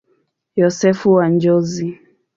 Yosefu wa Njozi.